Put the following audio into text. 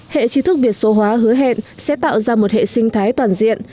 hệ trí thức việt số hóa hứa hẹn sẽ tạo ra một hệ sinh thái toàn diện